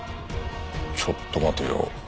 ちょっと待てよ。